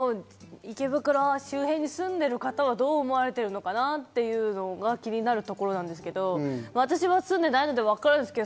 長年住んでいる方、区長以外の池袋周辺に住んでいる方はどう思われているのかなというのが気になるところなんですけど、私は住んでいないので、わからないんですけど。